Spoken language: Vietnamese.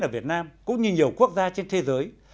ở việt nam cũng như nhiều quốc gia trên thế giới